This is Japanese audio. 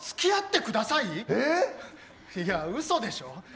いや嘘でしょ？